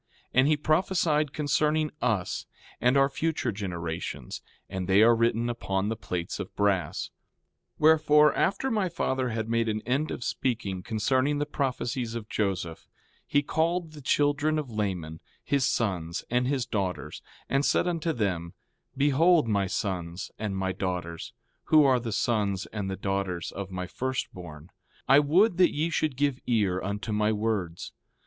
And he prophesied concerning us, and our future generations; and they are written upon the plates of brass. 4:3 Wherefore, after my father had made an end of speaking concerning the prophecies of Joseph, he called the children of Laman, his sons, and his daughters, and said unto them: Behold, my sons, and my daughters, who are the sons and the daughters of my first born, I would that ye should give ear unto my words.